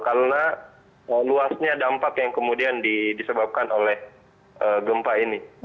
karena luasnya dampak yang kemudian disebabkan oleh gempa ini